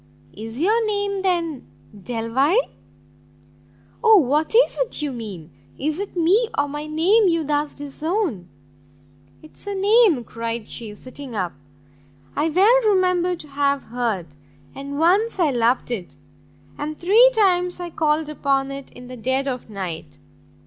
"Is your name, then, Delvile?" "O what is it you mean? Is it me or my name you thus disown?" "'Tis a name," cried she, sitting up, "I well remember to have heard, and once I loved it, and three times I called upon it in the dead of night.